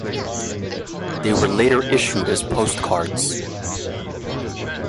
They were later issued as postcards.